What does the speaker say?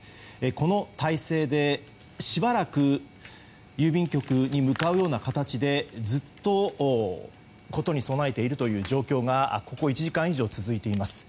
この体制で、しばらく郵便局に向かうような形でずっと事に備えているという状況がここ１時間以上続いています。